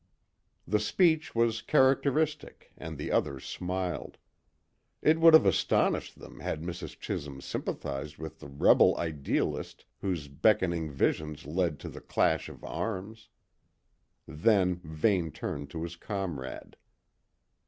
The speech was characteristic, and the others smiled. It would have astonished them had Mrs. Chisholm sympathised with the rebel idealist whose beckoning visions led to the clash of arms. Then Vane turned to his comrade.